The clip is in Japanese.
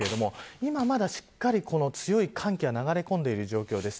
今まだ、しっかり強い寒気が流れ込んでいる状況です。